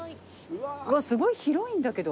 うわすごい広いんだけど。